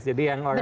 jadi yang orang